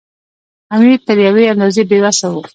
امیر تر یوې اندازې بې وسه وو.